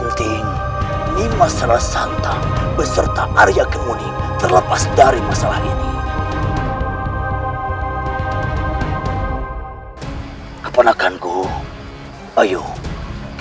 nimas tetap saja kita tidak boleh berpikiran buruk